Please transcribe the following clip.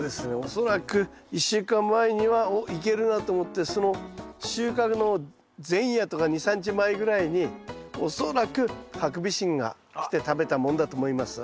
恐らく１週間前にはおっいけるなと思ってその収穫の前夜とか２３日前ぐらいに恐らくハクビシンが来て食べたもんだと思います。